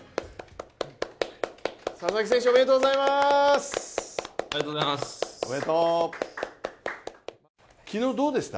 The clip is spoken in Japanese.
佐々木選手、おめでとうございます。